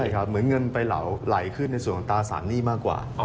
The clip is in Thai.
ใช่ครับเหมือนเงินไปเหลาไหลขึ้นในส่วนของตราสารหนี้มากกว่า